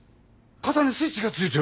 肩にスイッチがついてる！